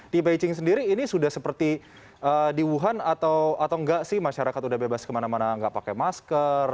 di beijing sendiri ini sudah seperti di wuhan atau enggak sih masyarakat udah bebas kemana mana nggak pakai masker